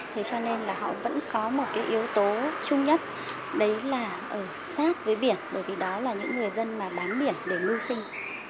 thế cho nên là họ vẫn có một cái yếu tố chung nhất đấy là ở sát với biển bởi vì đó là những người dân mà bán biển để mưu sinh